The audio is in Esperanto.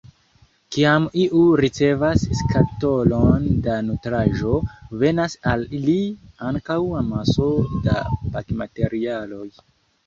Kiam iu ricevas skatolon da nutraĵo, venas al li ankaŭ amaso da pakmaterialoj.